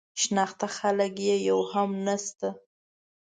شناخته خلک یې یو هم نه شته.